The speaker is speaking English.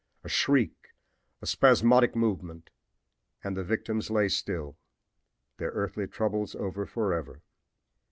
A shriek, a spasmodic movement and the victims lay still, their earthly troubles over forever.